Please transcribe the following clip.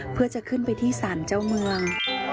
เพื่อจะขึ้นไปที่สารเจ้าเมือง